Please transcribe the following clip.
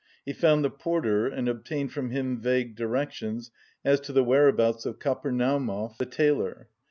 He found the porter and obtained from him vague directions as to the whereabouts of Kapernaumov, the tailor.